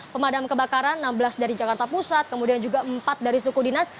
pemadam kebakaran enam belas dari jakarta pusat kemudian juga empat dari suku dinas